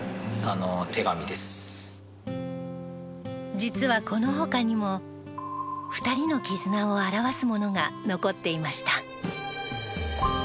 実は、このほかにも２人の絆を表すものが残っていました。